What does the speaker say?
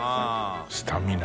「スタミナ」